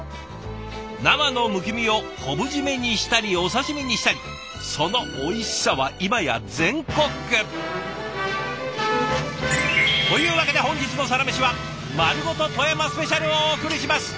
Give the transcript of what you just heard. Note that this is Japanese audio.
生のむき身を昆布締めにしたりお刺身にしたりそのおいしさは今や全国区。というわけで本日の「サラメシ」は「まるごと富山スペシャル」をお送りします！